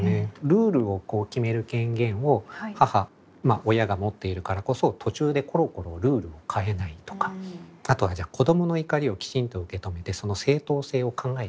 ルールを決める権限を母まあ親が持っているからこそ途中でころころルールを変えないとかあとは子供の怒りをきちんと受け止めてその正当性を考えてみようとか。